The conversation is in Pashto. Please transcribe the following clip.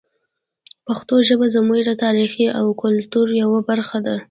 پښتو ژبه زموږ د تاریخ او کلتور یوه برخه ده.